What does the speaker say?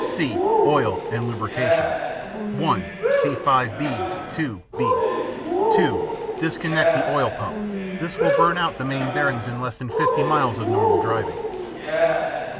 (c) Oil and Lubrication (1) See 5 b. (2) (b). (2) Disconnect the oil pump; this will burn out the main bearings in less than 50 miles of normal driving.